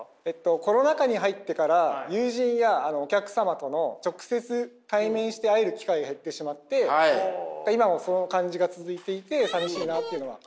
コロナ禍に入ってから友人やお客様との直接対面して会える機会が減ってしまって今もその感じが続いていて寂しいなっていうのは。